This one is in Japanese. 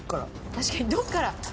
確かにどこから。